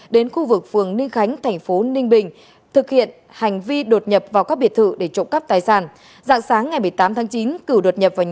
đến khu vực phường ninh khánh tp ninh bình thực hiện hành vi đột nhập vào các biệt thự để trộm cắp tài sản